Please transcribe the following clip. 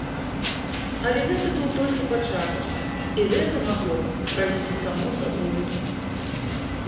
Але гэта быў толькі пачатак і гэта магло б прайсці само сабою.